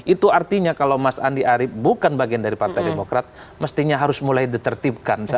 itu artinya kalau mas andi arief bukan bagian dari partai demokrat mestinya harus mulai ditertibkan